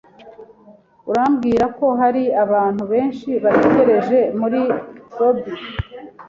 Urambwira ko hari abantu benshi bategereje muri lobby?